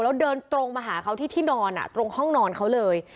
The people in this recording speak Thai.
แล้วเดินตรงมาหาเขาที่ที่นอนตรงห้องนอนเขาเลย